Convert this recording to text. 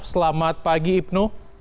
selamat pagi ibnu